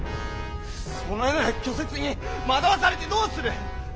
そのような虚説に惑わされてどうする！